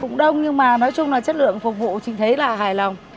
cũng đông nhưng mà nói chung là chất lượng phục vụ chị thấy là hài lòng